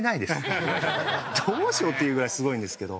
どうしようっていうぐらいすごいんですけど。